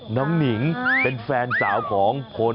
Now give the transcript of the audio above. หมอกิตติวัตรว่ายังไงบ้างมาเป็นผู้ทานที่นี่แล้วอยากรู้สึกยังไงบ้าง